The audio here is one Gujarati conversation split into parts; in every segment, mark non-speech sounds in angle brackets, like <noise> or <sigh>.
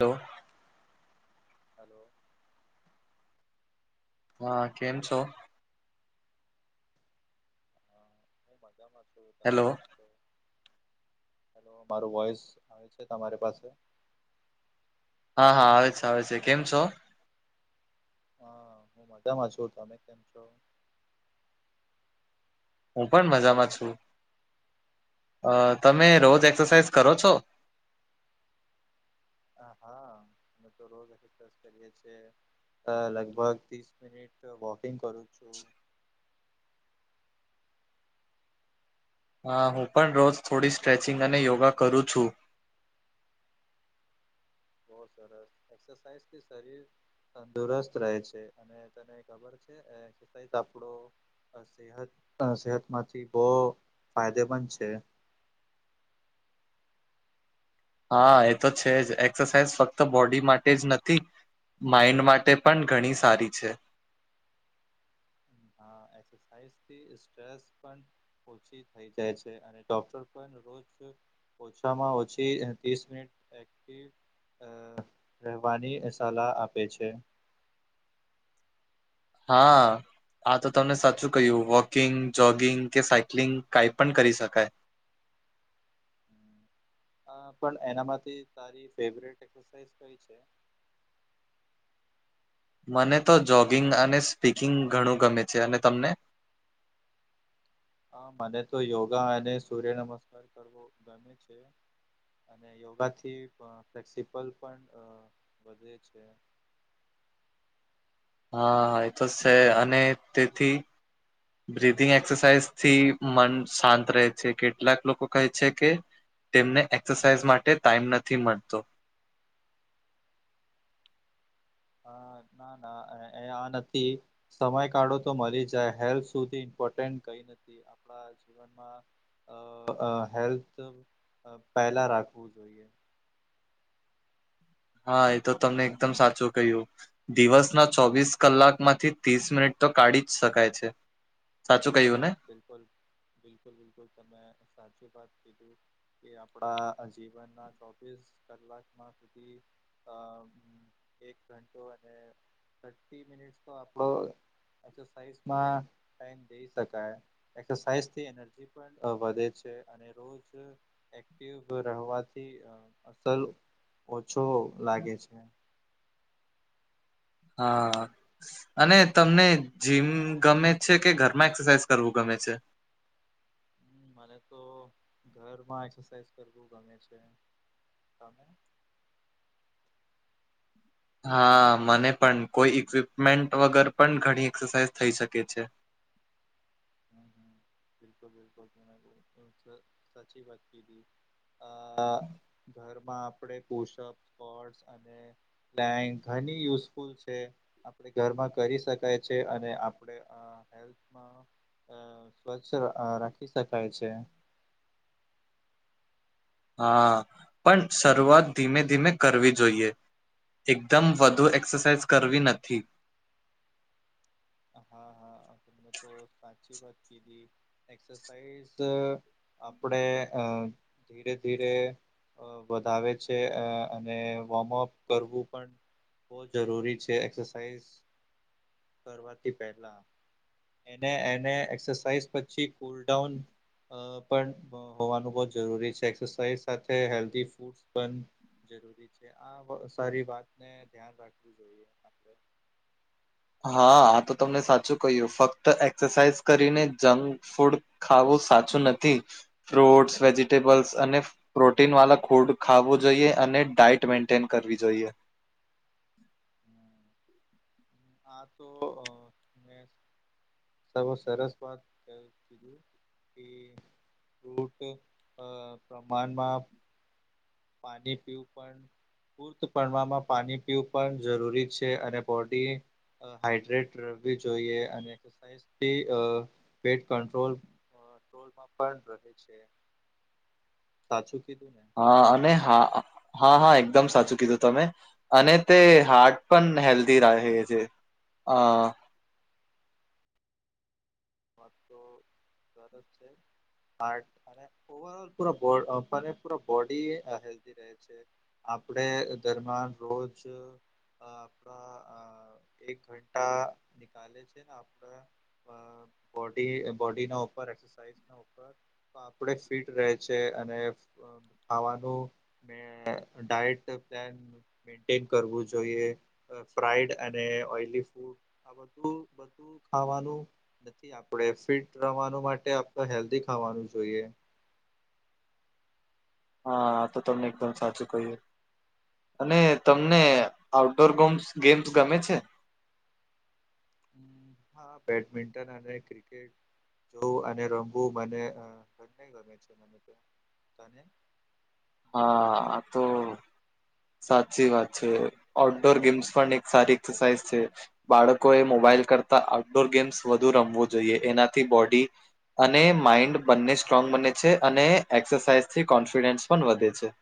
તો. હલો. હા, કેમ છો? અ, હું મજામાં છું, તમે હેલો કેમ છો? હલો મારું વોઇસ આવે છે તમારી પાસે? હા હા આવે છે આવે છે, કેમ છો? હા હું મજામાં છું, તમે કેમ છો? હું પણ મજામાં છું, અ તમે રોજ એક્સરસાઈઝ કરો છો? હા હા મેં તો રોજ એક્સ સાઈઝ કરીએ છીએ અ લગભગ ત્રીસ મિનિટ વોકિંગ કરું છું. હા હું પણ રોજ થોડી સ્ટ્રેચિંગ અને યોગા કરું છું. બો સરસ, એક્સરસાઈઝથી શરીર તંદુરસ્ત રહે છે અને તને <unintelligible> એક્સરસાઈઝ આપડો સેતત અ સેહતમાંથી બો ફાયદેમંદ છે. હા એ તો છે જ એક્સરસાઈઝ ફક્ત બોડી માટે જ નથી. માઈન્ડ માટે પણ ઘણી સારી છે. હા એક્સરસાઈઝથી સ્ટ્રેસ પણ ઓછી થઈ જાય છે અને ડોક્ટર પણ રોજ ઓછામાં ઓછી ત્રીસ મિનિટ એક્ટિવ અ રહેવાની સલાહ આપે છે. હા. આ તો તમને સાચું કહ્યું વોકિંગ, જોગિંગ કે સાયક્લિંગ કાઈ પણ કરી શકાય. હા પણ એનામાંથી તારી ફેવરિટ એક્સસાઈઝ કઈ છે? મને તો જોગિંગ અને સ્પીકિંગ ઘણું ગમે છે અને તમને? હા મને તો યોગા અને સૂર્ય નમસ્કાર કરવો ગમે છે. અને યોગાથી પ ફ્લેક્સિબલ અ પણ વધે છે. હા એ તો શે અને તેથી બ્રિધિંગ એક્સરસાઈઝથી મન શાંત રહે છે કેટલાક લોકો કહે છે કે તેમને એક્સસાઈઝ માટે ટાઈમ નથી મળતો. હા ના ના એ આ નથી. સમય કાઢો તો મલી જાય, હેલ્થ સુધી ઈમ્પોર્ટન્ટ કઈ નથી આપણા જી વનમાં અ અ હેલ્થ પહેલા રાખવું જોઈએ. હા એ તો તમે એકદમ સાચું કહ્યું. દિવસના ચોવીસ કલાકમાંથી તીસ મિનિટ તો કાઢી જ શકાય છે. સાચું કયું ને? બિલકુલ બિલકુલ બિલકુલ તમેં સાચે વાત કીધું કે આપાડા જીવન ના ચોવીસ કલાક માં સુધી ધી અહ એક ઘંટો અને થર્ટી મિનિટ્સ તો આપણો એક્સરસાઇઝમાં ટાઈમ થઈ શક તે એનર્જી પણ વધે છે. અને રોજ એક્ટિવ રહેવાથી અહ અસર ઓછો લાગે છે. હા અને તમને જીમ ગમે છે કે ઘરમાં એક્સરસાઇઝ કરવું ગમે છે. હમ્મ, મને તો ઘરમાં એક્સરસાઇઝ કરવું ગમે છે. તમે? હા, મને પણ કોઈ ઈક્વિપમેન્ટ વગર પણ ઘણી એક્સરસાઇઝ થઈ શકે છે. હમ્મ, હમ્મ. બિલકુલ બિલકુલ તમે અહ સાચી વાત કીધી. અહ ઘરમાં આપડે પુશ અપ સ્વૉડ અને નયન ઘણી યુઝફુલ છે. આપડે ઘરમાં કરી શકાય છે અને આપડે આ હેલ્થમાં અહ સ્વચ્છ અહ રાખી શકાય છે. હા પણ શરૂઆત ધીમે ધીમે કરવી જોઈએ. એકદમ વધુ એક્સરસાઇઝ કરવી નથી. હા હા તમે તો સાચી વાત કીધી. એક્સર સાઇઝ અહ આપડે અહ ધીરે ધીરે અહ વધાવે છે અહ અને વોર્મઅપ કરવું પણ બહુ જરૂરી છે એક્સરસાઈઝ. કરવાથી પહેલા એને એને એક્સરસાઇઝ પછી કુલડાઉન અહ પણ હોવાનું બહુ જરૂરી છે એક્સરસાઇઝ સાથે હેલ્ધી ફૂડસ પણ જરૂરી છે. આ સારી વાતને ધ્યાન રાખવું જોઈએ. આપણે હા, આ તો તમને સાચું કહ્યું ફક્ત એક્સરસાઇઝ કરીને જંક ફૂડ ખાવું સાચું નથી ફ્રૂટ્સ વેજીિટેબલ્સ અને પ્રોટીન વાલા ફૂડ ખું જોઈએ અને ડાયટ મેન્ટેન કરવી જોઈએ. હા, તો અહ મેં સરસ સરસ વાત કીધું કે રૂટીન અહ પ્રમાણમાં પાણી પીવું પણ પૂત પ્રણવામાં પાણી પીવું પણ જરૂરી છે અને બોડી અહ હાડ્રેટ રવી જોઈએ અને કે એનેસ થી અહ વેટ ક્રોલ્રોલમાં ટ્રોલમાં પણ રહે છે. સાચું કીધું ને? હા અને હા હા હા એકદમ સાચું કીધું તમે. અને તે હાર્ટ પણ હેલ્ધી રા છે અહ <unintelligible> હાર્ટ અને ઓવર ઓલ પુરા અહ પણ એ પુરા બોડી ભી હેલ્થી રહે છે. છે આપડે દરમિયાન રોજ અહ <inaudible> અહ અહ એક ઘંટા નિકલે છે ને આપડા અહ બોડી બોડી ના ઉપર એક્સરસાઇઝર ના ઉપર ઉપર તો આપડે ફિટ રહે છે અને અહ ખાવાનું મેં ડાયટ પ્લાન મેન્ટેન કરવું જોઈએ અહ ફ્રાઈડ અને ઓઈલી ફૂડ આ બધું બધું ખાવાનું થી આપડે ફિટ રવાનું માટે આપણે હેલ્ધી ખાવાનું જોઈએ. હા તો તમને એકદમ સાચું કયું. અને તમને આઉટડોર ગોમ ગેમ્સ ગમે છે? હમ્મ હા બેડમિન્ટન અને ક્રિકેટ જોું અને રમવું મને નહી ગમે છે મને તો હા તો સાચી વાત છે આઉટડોર ગેમ્સ પણ એક સારી એક્સરસાઇઝ છે. બાળકોએ મોબાઈલ કરતા આઉટડોર ગેમ્સ વધુ રમવું જોઈએ એનાથી બોડી અને માઈન્ડ બંને સ્ટ્રોંગ બને છે અને એક્સરસાઇઝ થી કોન્ફિડન્સ પણ વધે છે.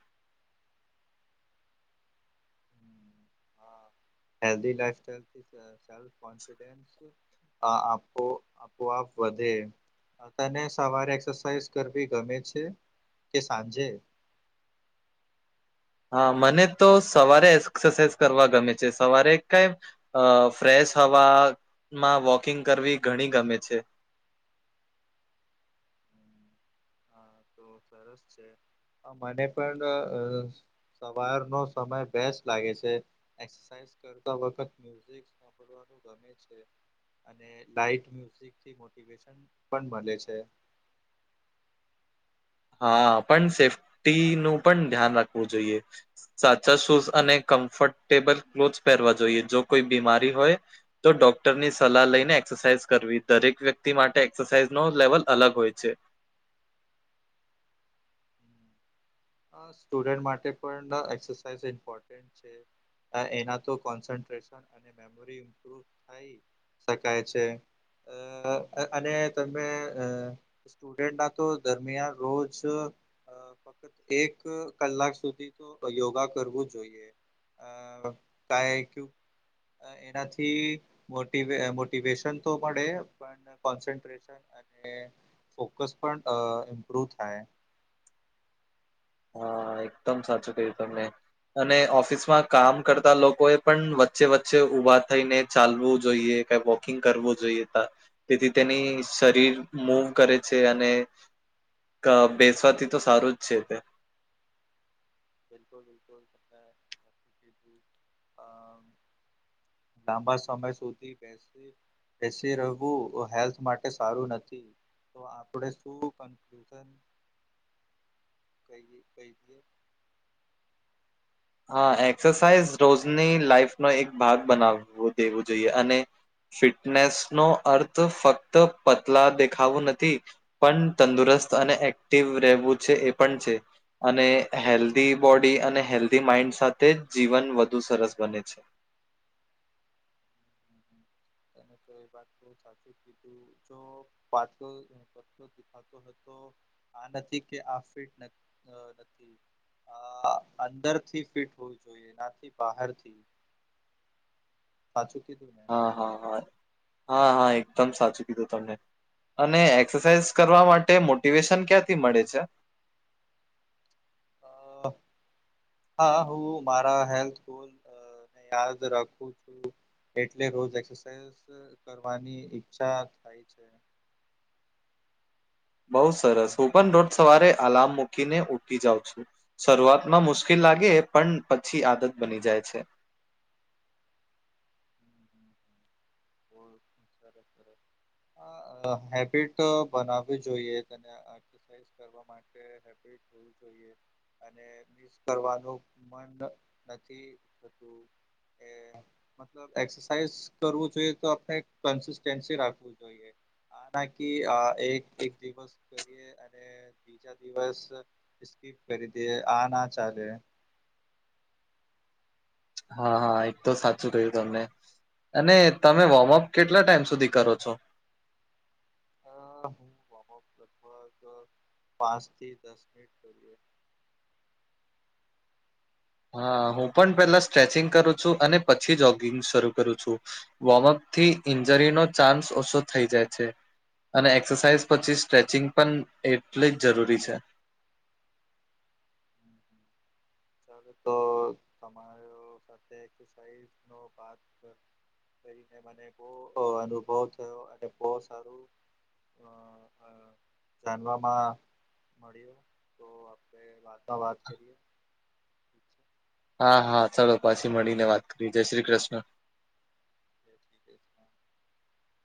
<unintelligible> આ આપો આપોઆપ વધે. તને સવારે એક્સરસાાઈઝ કરવી ગમે છે કે સાંજે હા મને તો સવારે એક્સરસાઇઝ કરવા ગમે છે સવારે કઈ અ ફ્રેશ હવામાં વોકિંગ કરવી ઘણી ગમે છે. હા તો સરસ છે મને પણ સવારનો સમય બે લાગે છે કર વખ સાભડવાનુ ગમે. મને છે. હા પણ સેફ્ટી નું પણ ધ્યાન રાખવું જોઈએ સાચા શૂઝ અને કમ્ફર્ટેબલ ક્લોથ પહેરવા જોઈએ જો કોઈ બીમારી હોય તો ડોક્ટર ની સલાહ લઈને એક્સરસાઇઝ કરવી દરેક વ્યક્તિ માટે એક્સરસાઇઝ નો લેવલ અલગ હોય છે. સ્ટુડન્ટ માટે પણ એક્સરસાઇઝ ઇમ્પોર્ટન્ટ છે. એના તો કોન્સ્રેશન અને મેમોરી ઇમ્પ્રુવ થાય શકાય છે અ અને તમે અ સ્ટુડન્ટ ના તો દરમિયાન રોજ ફક્ત એક કલાક સુધી તો યોગા કરવું જોઈએ. અય ક્યુ, એનાથી મો મોટિવેશન તો મળે પણ કોન્સન્ટ્રેશન અને ફોકસ પણ ઇમ્પ્રુવ થાય. હા એકદમ સાચું ક્યું તમને અને ઓફિસ માં કામ કરતા લોકો એ પણ વચ્ચે વચ્ચે ઉઊભા થઈને ચાલવું જોઈએ. વોકિંગ કરવું જોઈએ તેથી તેની શરીર મૂવ કરે છે અને બેસવાથી તો સારું જ છે તે-' બિલકુલ બિલકુલ આ લાંબા સમય સુધી બેસતી એસી રવુ હેલ્થ માટે સારું નથી. તો આપણે શું કન્ફલુઝન કઈ કઈ ગ, હા એક્સરસાઇઝ રોજની લાઈફ નો એક ભાગ બનાવવો દેવું જોઈએ અને ફિટનેસ નો અર્થ ફક્ત પતલા દેખાવો નથી પણ તંદુરસ્ત અને એક્ટિવ રહેવું છે એ પણ છે. અને હેલ્ધી બોડી અને હેલ્ધી માઇન્ડ સાથે જ જીવન વધુ સરસ બને છે. એને તો એ વાત તો સાચી કીધું જો પાટતો દીખ આ નથી કે આ ફિટ આ અંદરથી ફિટ હોવીું જોઈએ નાથી બહારથી સાાચુકી હતીું મેને હા હા હા હા હા એકદમ સાચું કીધું તમને અને એક્સરસાઇઝ કરવા માટે મોટિવેશન ક્યાંથી મળે છે. હા હું મારા હેલ્થલ યાદ રાખું છું એટલે રોજ એક્રસાઝ કરવાની ઈચ્છા થાય છે. બઉ સરસ હું પણ રોજ સવારે અલાર્મ મૂકીને ઉઠ જાઉં છું. શરૂઆત માં મુશ્કેલ લાગે પણ પછી આદત બની જાય છે. બહુ સરસ સરસ <inaudible> આ હેબિટ તો બનાવવી જોઈએ તને <unintelligible> કરવા માટે હેબીટ હોવી જોઈએ. અને મિસ કરવાનું મન નથી થતું. એ મતલબ એક્સરસાઇઝ કરવું જોઈએ તો આપણે કન્સિસ્ટન્સી રાખવુ જોઈએ. આ નાકી અ એક એક દિવસ કરીએ અને અને બીજા દિવસ સ્કીપ કરી દિયે આ ના ચાલે. હા હા એક તો સાચું કહ્યું તમને અને તમે વોર્મઅપ કેટલા ટાઈમ સુધી કરો છો. અ હું વોર્મઅપ લગભગ પાંચ થી દસ મિનિટ કરીએ હા હું પણ પેલા સ્ટ્રેચિંગ કરું છું અને પછી જોગિંગ શરૂ કરું છું. વોર્મઅપ થી ઇન્જરીનો ચાન્સ ઓછો થઈ જાય છે. અને એક્સરસાઇઝ પછી સ્ટ્રેચિંગ પણ એટલે જ જરૂરી છે. અવે તો તમારો સાથે એકસસાઇઝ નો પાર્ટ થઈ મને બો અનુભવ થયો અને બો સારું અ અ જાણવામાં મળ્યું. તો આપણે રાત ના વાત કરીએ. હા હા ચાલો પછી મળીને વાત કરીએ જય શ્રી કૃષ્ણ. જય શ્રી કૃષ્ણ.